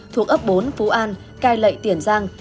thuộc ấp bốn phú an cai lậy tiền giang